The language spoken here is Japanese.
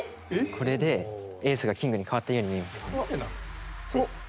これでエースがキングに変わったように見えるんですよ。